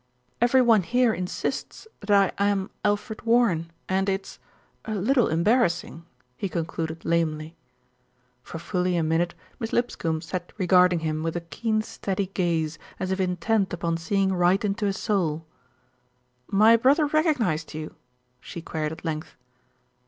"Every one here insists that I am Alfred Warren, and it's a little embarrassing," he concluded lamely. For fully a minute Miss Lipscombe sat regarding him with a keen steady gaze, as if intent upon seeing right into his soul. "My brother recognised you?" she queried at length.